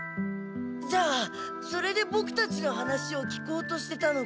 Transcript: じゃあそれでボクたちの話を聞こうとしてたのか。